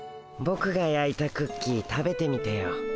ボクがやいたクッキー食べてみてよ。